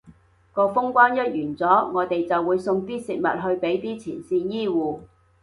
個封關一完咗，我哋就會送啲食物去畀啲前線醫護